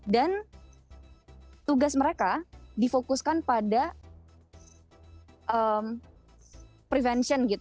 dan tugas mereka difokuskan pada prevention